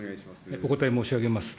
お答え申し上げます。